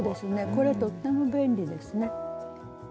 これとっても便利ですね。